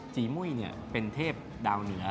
จีมุยเนี่ยเป็นเทพดาวเหนือ